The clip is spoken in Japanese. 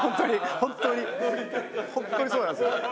本当にそうなんですよ。